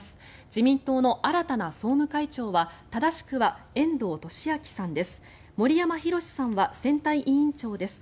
自民党の新たな総務会長は正しくは遠藤利明さんです。